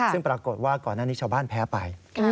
ซึ่งปรากฏว่าก่อนหน้านี้ชาวบ้านแพ้ไป